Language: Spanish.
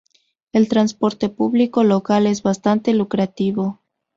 El transporte público local es bastante lucrativo.